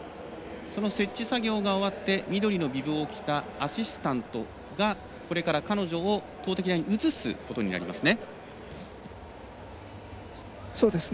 その設置作業が終わって緑のビブを着たアシスタントが彼女を投てき台に移すことになりますね。